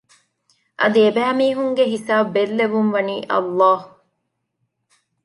އަދި އެބައިމީހުންގެ ހިސާބު ބެއްލެވުން ވަނީ ﷲ